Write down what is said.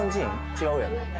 違うやろ？